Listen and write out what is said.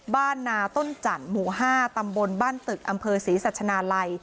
บ้านนาต้นจันทร์หมู่๕ตำบลบ้านตึกอำเภอศรีสัชนาลัย